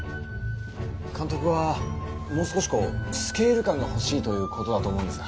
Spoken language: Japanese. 監督はもう少しこうスケール感が欲しいということだと思うんですが。